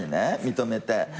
認めて。